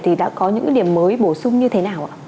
thì đã có những điểm mới bổ sung như thế nào ạ